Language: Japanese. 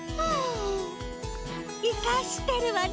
いかしてるわね